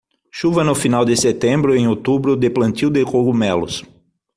Chuva no final de setembro, em outubro de plantio de cogumelos.